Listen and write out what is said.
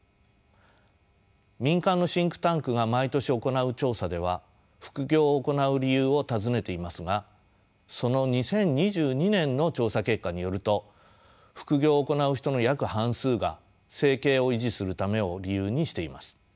民間のシンクタンクが毎年行う調査では副業を行う理由を尋ねていますがその２０２２年の調査結果によると副業を行う人の約半数が生計を維持するためを理由にしています。